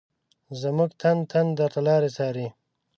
زمونږ تن تن درته لاري څاري